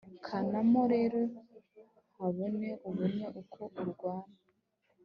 canamo rere habone, ubone uko ururwana